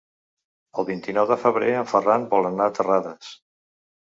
El vint-i-nou de febrer en Ferran vol anar a Terrades.